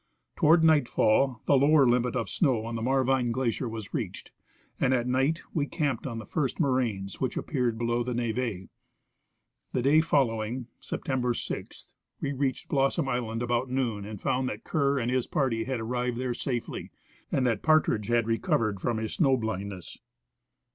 Toward night fall the lower limit of snow on the Marvine glacier was reached, and at night we camped on the first moraines which appeared below the neve. The day following, September 6, we reached Blossom island about noon, and found that Kerr and his party had arrived there safely, and that Partridge had recovered from his snow blindness.